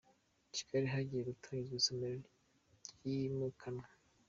Kigali Hagiye gutangizwa isomero ryimukanwa